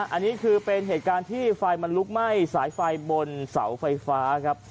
อันนี้คือเป็นเหตุการณ์ที่ไฟมันลุกไหม้สายไฟบนเสาไฟฟ้าครับ